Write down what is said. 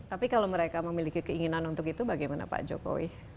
tapi kalau mereka memiliki keinginan untuk itu bagaimana pak jokowi